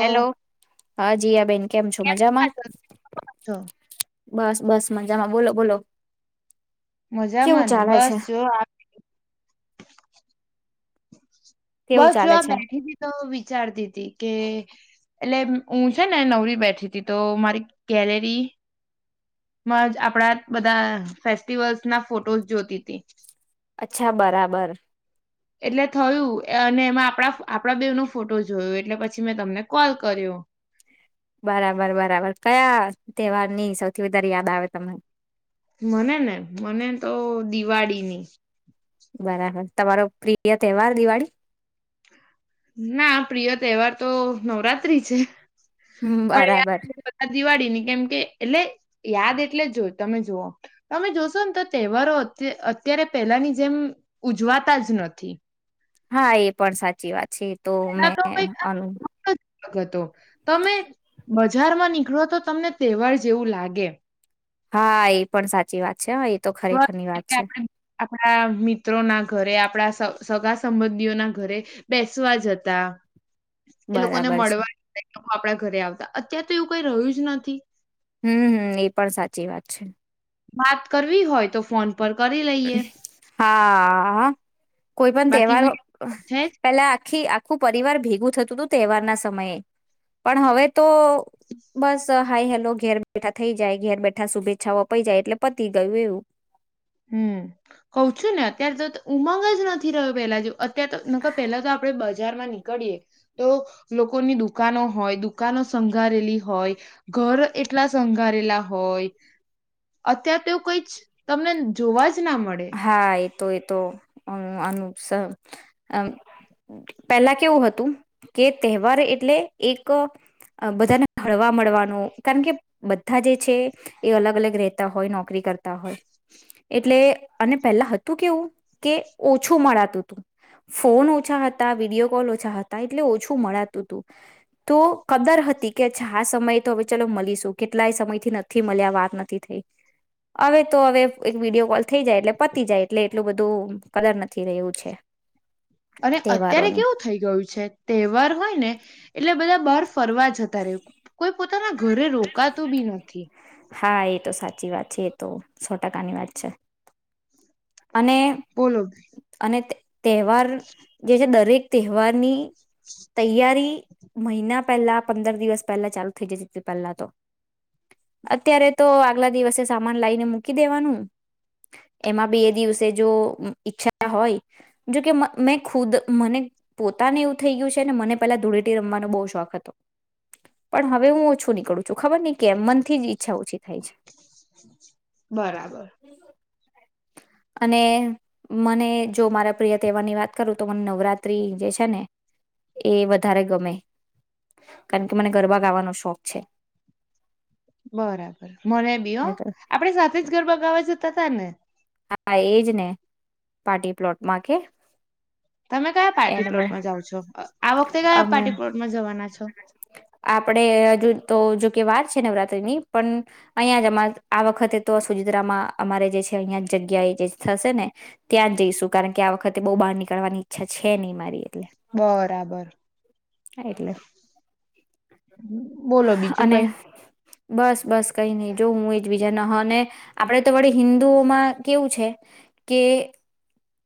Hello, હા જિયાબેન, કેમ છો, મજામાં? તો બસ બસ મજામાં બોલો બોલો. કેવું મજામાં ને ચાલે બસ છે? જો કેવું બસ જો ચાલે આ છે? બેઠી હતી તો વિચારતી હતી કે એટલે હું છે ને નવરી બેઠી હતી, તો મારી ગેલેરી માં જ આપડા બધા ફેસ્ટિવલ્સ ના ફોટોસ જોતી તી. અચ્છા, બરાબર. એટલે થયું અને એમાં આપણા આપણા બેવનો ફોટો જોયો, એટલે પછી મેં તમને કોલ કર્યો. બરાબર બરાબર કયા તહેવાર ની સૌથી વધારે યાદ આવે તમને? મને ને, મને તો દિવાળીની. બરાબર. તમારો પ્રિય તહેવાર દિવાળી? ના પ્રિય તહેવાર તો નવરાત્રી છે. હમ્મ, પણ બરાબર. યાર દિવાળીની કેમ કે એટલે યાદ એટલે જો તમે જોવો તમે જોશો ને તો તહેવારો અત્યારે પહેલાની જેમ ઉજવાતા જ નથી. હા એ પણ સાચી વાત છે. તો એ મેં તો કાઈ અનુ ખા [inaudible] ગતો તમે બજારમાં નીકળો તો તમને તહેવાર જેવું લાગે. હા એ પણ સાચી વાત છે હા તો તહેવાર ખરેખર ની વાત એટલે છે. આપણે આપણા મિત્રો ના ઘરે આપણા સગા સંબંધીઓ ના ઘરે બેસવા જતા. બરાબર છે. આપડા ઘરે આવતા અત્ય્યારે તો એવું કઈ રહ્યું જ નથી. હમ્મ હમ્મ એ પણ સાચી વાત છે. વાત કરવી હોય તો ફોન પર કરી લઈએ હા કોઈ પણ બાકી તહેવાર વિડીયો છે પેલા આખી આ આખું પરિવાર ભેગું થતું તું તહેવાર ના સમયે પણ હવે તો બસ હાઈ હેલો ઘેર બેઠા થઈ જાય ઘેર બેઠા શુભેચ્છાઓ અપાઈ જાય એટલે પતી ગયું એવું. હમ્મ કઉ છું ને અત્યારે તો ઉમંગ જ નથી રહ્યો પેલા જેવો. અત્યારે તો નક પહેલા તો આપડે બજારમાં નીકળએ તો લોકોની દુકાનો હોય, દુકાનો સંઘારેલી હોય, ઘર એટલા સંઘારેલા હોય અત્યારે તો કઈ જ તમને જોવા‌ જ ના મળે હા એ તો એ તો માનુ સ અ પહેલા કેવું હતું કે, તહેવાર એટલે એક બધાને ફળવા મળવાનું કારણ કે બધા જે છે એ અલગ અલગ રહેતા હોય નોકરી કરતા હોય એટલે અને પહેલા હતું કેવું કે ઓછું મળાતું. ફોન ઓછા હતા, વિડીયો કોલ ઓછા હતા એટલે ઓછું મળાતું તું તો કદર હતી કે આ સમય તો હવે ચાલ મળીશું કેટલાય સમય થી નથી મળ્યા વાત નથી થઈ. હવે તો હવે એક વિડીયો કોલ થઈ જાય એટલે પતી જાય એટલે એટલું બધું કદર નથી રહ્યું છે. અને અત્યારે તહેવારોની કેવું થઈ ગયું છે તહેવાર હોય ને એટલે બધા બર્ફ ફરવા જતા રેય, કોઈ પોતાના ઘરે રોકાતું બી નથી. હા એ તો સાચી વાત છે. એ તો સો ટકાની વાત છે. અને બોલો અને તહેવાર જે છે દરેક તહેવારની તૈયારી મહિના પહેલા, પંદર દિવસ પહેલા ચાલુ થઈ જતી તી પેલા તો અત્યારે તો આગલા દિવસે સામાન લઈને મૂકી દેવાનું એમાં બીએ દિવસે જો અમ્મ ઈચ્છા હોય જોકે મ મેં ખુદ મને પોતાને એવું થઈ ગયું છે મને પેલા ધૂળેટી રમવાનો બહ શોખ હતો. પણ હવે હું ઓછું નીકળું છું ખબર ન કે મનથીજ ઇક છા ઓછી થાય છે. બરાબર અને મને જો મારા પ્રિય તહેવાર ની વાત કરું તો મને નવરાત્રી જે છે ને એ વધારે ગમે, કારણ કે મને ગરબા ગાવાનો શોખ છે. બરાબર મને બી હો. આપડે સાથે જ ગરબા ગાવા જતા તાને. હા એજ ને પાર્ટી પ્લોટ માં કે. તમે કયા પાર્ટી એને પ્લોટમાં જાવ છો? અહ આ વખતે કયા અમે પાર્ટી પ્લોટમાં જવાના છો? કે વાર છે નવરાત્રી ની પણ અહિયાં જ માલ આ વખતે તો સુજિત્રામાં અમારે જે છે અહિયાં જ જગ્યા એ જે થશે ને ત્યાં જઈશું કારણ કે આ વખતે બહુ બહાર નીકળવાની ઈચ્છા છે નહીં મારી એટલે. બરાબર. એટલે બોલો બીજું અને કઈ? બસ બસ કઈ નહી જો હું એજ બીજા ન હ અને આપડે તો વડી હિન્દુઓમાં કેવું છે કે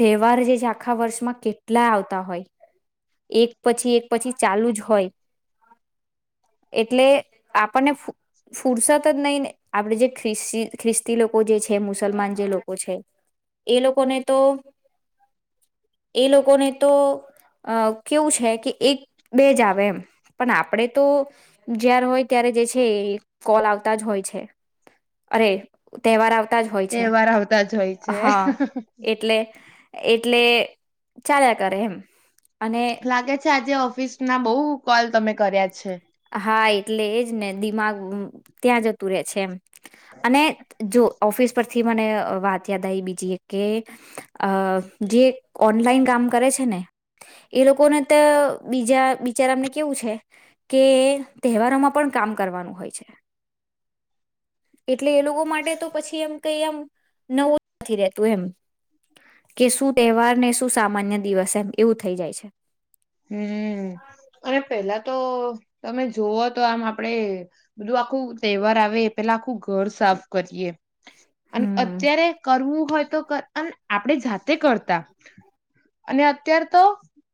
તહેવાર જે છે આખા વર્ષમાં કેટલા આવતા હોય. એક પછી એક પછી ચાલુ જ હોય. એટલે આપણને ફુ-ફુરસત જ નહી ને આપડે જે ખ્રિસ્ ખ્રિસ્તી લોકો જે છે મુસલમાન જે લોકો છે એ લોકોને તો એ લોકોને તોઅહ કેવું છે કે એક, બે જ આવે એમ. પણ આપડે તો જારે હોય ત્યારે જે છે કોલ આવતા જ હોય છે. અરે તહેવાર આવ તા જ હોય છે. તહેવાર આવતા જ હોય છે હા એટલે એટલે ચાલ્યા કરે એમ. અને લાગે છે આજ જે ઓફિસ ના બઉ કોલ તમે કર્યા છે. હા એટલે એજ ને દિમાગ ત્યાં જતું રે છે એમ. અને જો ઓફિસ પરથી મને અહ વાત યાદ આવી બીજી એક કે અહ જે ઓનલાઈન કામ કરે છે ને એ લોકોને તે બીજા બિચારાને કેવું છે કે તહેવારોમાં પણ કામ કરવાનું હોય છે. એટલે એ લોકો માટે તો પછી એમ કઈ એમ નવું નથી રતું એમ. કે શું તહેવાર ને શું સામાન્ય દિવસ એમ એવું થઇ જાય છે. હમ્મ અને પેલા તો તમે જોવઓ તો આમ આપડે બધું આખું તહેવાર આવે પેલા આખું ઘર સાફ કરીએ. અને હમ અત્યારે કરવું હોય તો ક અન આપણે જાતે કરતા અને અત્યારે તો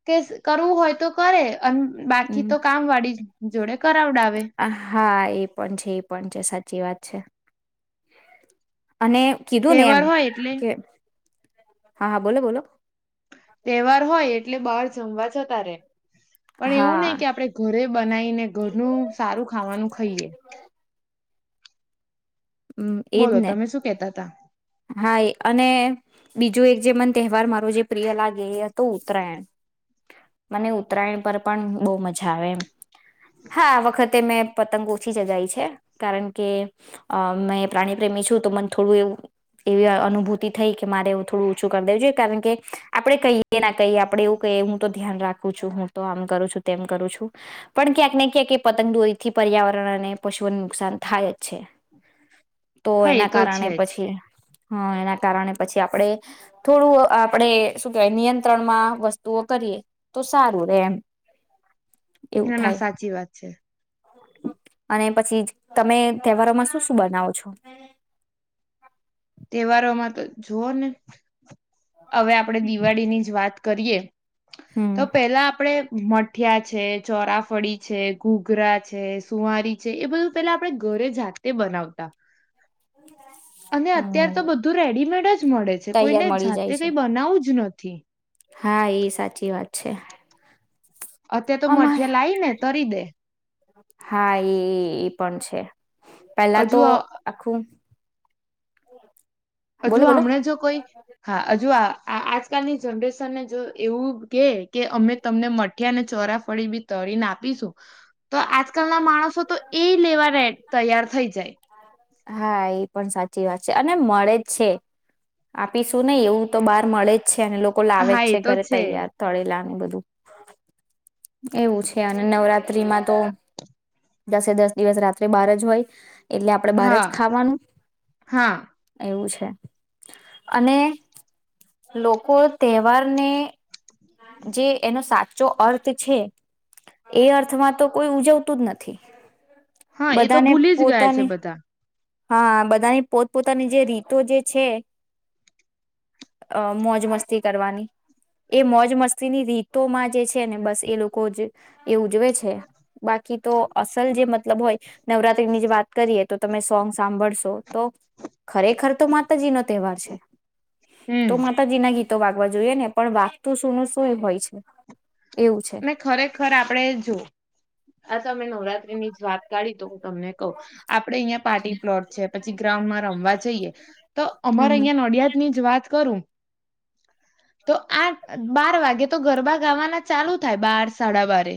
કેશ કરવું હોય તો કરે અન બાકી તો કામ વાળી જ જો આ હા એ એ પણ છે એ પણ છે સાચી વાત છે. અને કીધું ને તહેવાર એમ હોય એટલે કે હા હા બોલો બોલો. તહેવાર હોય એટલે બહાર જમવા જતા રે. પણ એવું હા નહી કે આપણે ઘરે બનાઈને ઘરનું સારું ખાવાનું ખાઈએ. હમ્મ, એજ બોલો ને. તમે શું કેતા તા હા એ અને બીજું એક જે મન તહેવારમાં જે પ્રિય લાગે એ હતો ઉત્તરાયણ મને ઉત્તરાયણ પર પણ બહુ મજા આવે હા આ વખતે મેં પતંગ ઓછી ચગાય છે કારણ કે અ મેં પ્રાણી પ્રેમી છું તો મને થોડું એવું એવી અનુભૂતિ થઈ કે મારે એવું થોડું ઓછું કરી દેવું જોઈએ કારણ કે આપણેે કહીએ ના કહીએ આપણે એવું કહીએ હું તો ધ્યાન રાખું છું હું તો આમ કરું છું તેમ કરું છું પણ ક્યાંક ને ક્યાંક એ પતંગ દોરીથી પર્યાવરણ અને પશુઓને નુકસાન થાય જ છે તો હા એ એના તો કારણે છે પછી હા એના કારણે પછી આપણે થોડું આપણેે શું કેવાય નિયંત્રણમાં વસ્તુઓ કરીએ તો સારું રે એમ એવું ના ના થાય સાચી વાત છે. અને પછી તમે તહેવારોમાં શું શું બનાવો છો તહેવારોમાં તો જુઓ ને હવે આપડે દિવાળી ની જ વાત કરીએ. હમ તો પેલા આપણે મઠિયા છે ચોરાફળી છે ઘૂઘરા છે સુુંવારી છે એ બધું પેલા આપણેે ઘરે જાતે બનાવતા અને હમ્મ અત્યારે તો બધું રેડીમેડ જ મળે છે તૈયાર કોઈને મળી જાય જાતે છે કઈ બનાવું જ નથી હા એ સાચી વાત છે. અત્યારે તો અમારે મઠીિયા લાઈ ને તરી દે હા એ પણ છે પેલા તો હજુ આ- આખું [inaudible] હજુ બોલો બોલો હમણા જો કોઈ હા હજુ આ આ આજકાલની જનરેશનને જો એવું કેહે કે અમે તમને મઠીયા અને ચોરાફળી બી તળને આપીશું તો આજકાલના માણસો તો એ લેવાને રે તૈયાર થઈ જાય હા એ પણ સાચી વાત છે અને મળે જ છે આપીશું નહી એવું તો બહાર મળે જ છે અને લોકો લાવે હા જ એ છે તો ઘરે તૈયાર તળેલાને બધું એવું છે અને નવરાત્ર્રીમાં તો દસે દસ દિવસ રાત્રે બાર જ હોય એટલે આપડે બાર જ હા ખાવાનું હા એવું છે અને લોકો તહેવારને જે એનો સાચો અર્થ છે એ અર્થમાં તો કોઈ ઉજવતું જ નથી હા એ તો બધાને ભૂલી જ ગયા છે પોતાની બધા હા બધાની પોત પોતાની જે રીતો જે છે મોજ અ મસ્તી કરવાની એ મોજ મસ્તીની રીતો માં જે છે ને બસ એ લોકો એ ઉજવે છે બાકી તો અસલ જે મ મતલબ હોયે નવરાત્રી ની જે વાત કરીએ તો તમે સોંગ સાંભળશો તો ખરેખર તો માતાજી નો તહેવાર છે હમ તો માતાજી ના ગીત તો વાગવા જોઈએ ને પણ વાગતું શું ન શું એ હોય છે એવું છે. ખરેખર આપડે જો તમે નવરાત્રી ની જ વાત કાઢી તો તમને કઉ આપડેહિયાં પાર્ટી પ્લોટ છે પછી ગ્રાઉન્ડ માં રમવા જએ તો હમ અમારે અહિયાં નડિયાદ ની જ વાત કરું તો આઠ બાર વાગે તો ગરબા ગાવાના ચાલુ થાય બાર સાડા બારે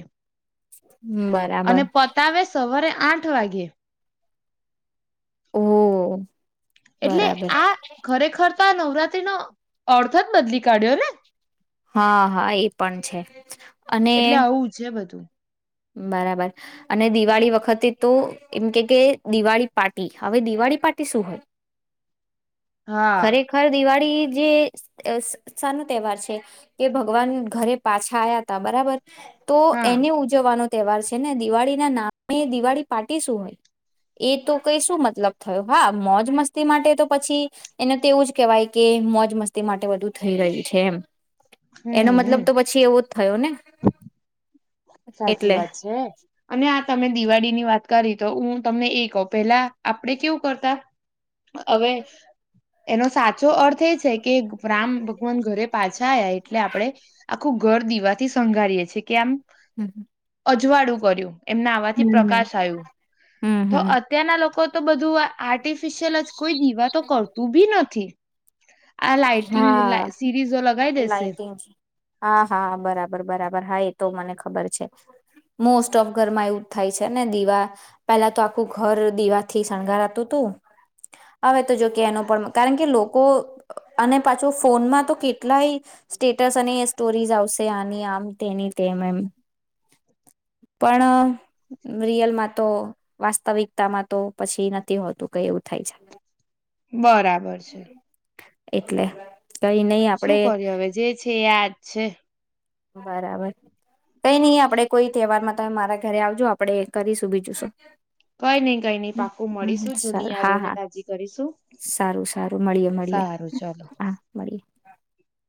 હમ. અને બરાબર પતાવે સવારે આઠ આઠ વાગે ઓહહ એટલે આ ખરેખર તો આ નવરાત્રી નો અર્થ જ બદલી કાઢ્યો ને હા હા એ પણ છે અને એટલે આવું છે બધું બરાબર અને દિવાળી વખતે તો એમ કે કે દિવાળી પાર્ટી હવે દિવાળી પાર્ટી શું હોય હા ખરેખર દિવાળી જે સા નો તહેવાર છે કે ભગવાન ઘરે પાછા આવયા ત બરાબર. તો હા એની આનો તહેવાર છે ને દિવાળી ના નામ બે દિવાળી પાર્ટી શું હોય એતો કે શું મતલબ થયો મોજ મસ્તી માટે તો પછી એને તેવું જ કહેવાય કે મોજ મસ્તી માટે વધુ થઈ રહી છે એમ. એનો હમ હમ મતલબ તો પછી એવો જ થયો ને સાચી એટલે વાત છે અને આ તમે દિવાળી ની વાત કરી તો હું તમને એ કહુ પેલા આપડે કેવું કરતા હવે એનો સાચો અર્થ એ છે કે રામ ભગવાન ઘરે પાછા આવયા એટલે આપડે આખું ઘર દીવાથી શંગારીએ છીએ કે આમ હમ્મ. અજવાળું કર્યું. એમના આવાથી પ્રકાશ આવું તો હમ અત્યારના લોકો તો બધું આર્ટિફિશિયલ જ કોઈ દીવા તો કરતું બી નથી. આ લાાઈટિંગ હા સિરીઝો લગાવી દેશે લઇટીંગ હા હા બરાબર બરાબર હાઈ તો મને ખબર છે મોસ્ટ ઓફ ઘરમાં એવું થાય છે ને દીવા પેલા તો આખું ઘર દીવાથી શણગારાતું હતું હવે તો જો કે એનો પણ કારણ કે લોકો. અને પાછો ફોનમાં તો કેટલાય સ્ટેટસ અને સ્ટોરીઝ આવશે આની આમ તેની તે એમ પણ રિયલમાં તો વાસ્તવિકતામાં તો પછી નથી હોતું કઈ એવું થાય છે. બરાબર છે. એટલે કઈ નહી શું આપડે કર્યું હવે જે છે યાજ છે. બરાબર કઈ નહી આપડે કોઈ તહેવારમાં તમે મારા ઘરે આવજો આપડે કરીશું બીજું શું કઈ નઈિ કઈ નઈ હમ પાકું હમ મળીશું જૂની સારું હા યાદોને હા તાજી કરીશું સારું સારું મળીએ મળીએ સારું ચાલ. હા [inaudible]